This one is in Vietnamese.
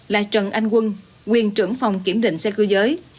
là trần anh quân quyền trưởng phòng kiểm định xe cơ giới